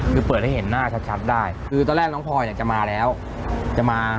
คือเปิดให้เห็นหน้าชัดได้คือตอนแรกน้องพลอยเนี่ยจะมาแล้วจะมา